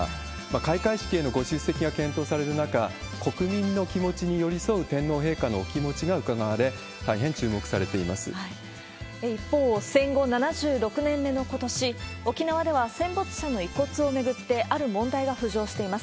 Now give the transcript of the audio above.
開会式へのご出席が検討される中、国民の気持ちに寄り添う天皇陛下のお気持ちがうかがわれ、大変注一方、戦後７６年目のことし、沖縄では戦没者の遺骨を巡って、ある問題が浮上しています。